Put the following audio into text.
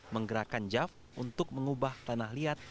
menggerakkan jav untuk mengubah tanah liat